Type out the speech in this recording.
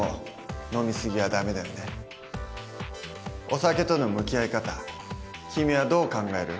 お酒との向き合い方君はどう考える？